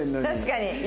確かに。